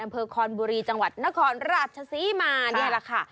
คอนบุรีจังหวัดนครราชศรีมานี่แหละค่ะ